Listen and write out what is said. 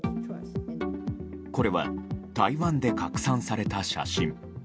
これは台湾で拡散された写真。